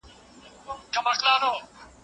هغه پلار یې چي یو وخت شاه جهان وو